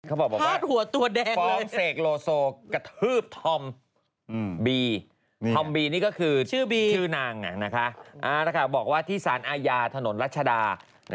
เขาบอกว่าตัวแดงของเสกโลโซกระทืบธอมบีธอมบีนี่ก็คือชื่อบีชื่อนางนะคะบอกว่าที่สารอาญาถนนรัชดา